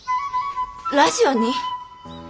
ラジオに？